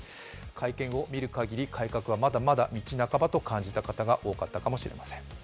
会見を見る限り改革はまだまだ道半ばと感じた方が多かったかと思います。